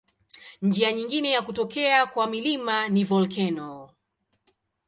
Njia nyingine ya kutokea kwa milima ni volkeno.